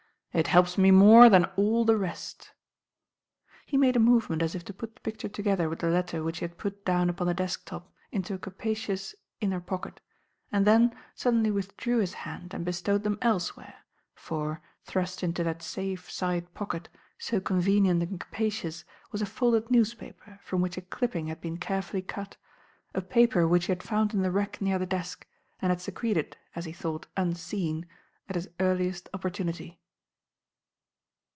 "It helps me more than all the rest." He made a movement as if to put the picture together with the letter which he had put down upon the desk top, into a capacious inner pocket, and then suddenly withdrew his hand and bestowed them elsewhere, for, thrust into that safe side pocket, so convenient and capacious, was a folded newspaper, from which a "clipping" had been carefully cut, a paper which he had found in the rack near the desk, and had secreted, as he thought, unseen, at his earliest opportunity.